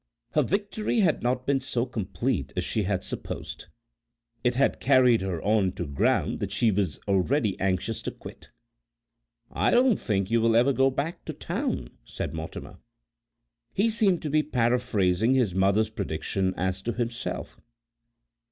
Her victory had not been so complete as she had supposed; it had carried her on to ground that she was already anxious to quit. "I don't think you will ever go back to Town," said Mortimer. He seemed to be paraphrasing his mother's prediction as to himself.